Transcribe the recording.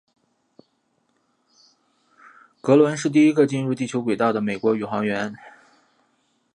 格伦是第一个进入地球轨道的美国宇航员。